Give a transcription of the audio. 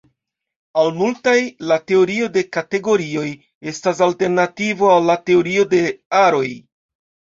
Al multaj, la teorio de kategorioj estas alternativo al la teorio de aroj.